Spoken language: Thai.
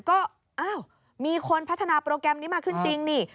ก็อ้าวมีคนพัฒนาโปรแกรมนี้มาขึ้นจริงนี่